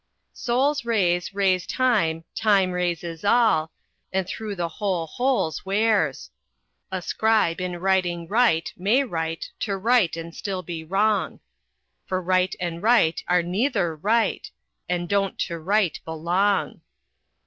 "Sol's rays raise thyme, time raises all, And through the whole holes wears. A scribe in writing right may write To write and still be wrong; For write and rite are neither right, And don't to right belong.